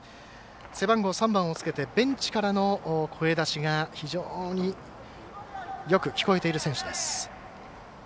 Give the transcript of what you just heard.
背番号３番をつけてベンチからの声出しが非常によく聞こえている選手です。